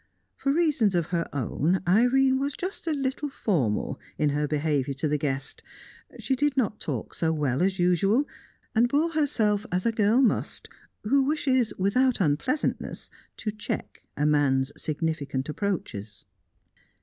For reasons of her own, Irene was just a little formal in her behaviour to the guest; she did not talk so well as usual, and bore herself as a girl must who wishes, without unpleasantness, to check a man's significant approaches.